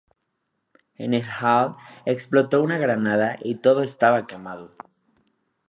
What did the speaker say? En el hall explotó una granada y todo estaba quemado.